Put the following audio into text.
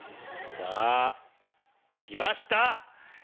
さぁ来ました！